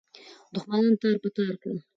دښمنان تار په تار کړه.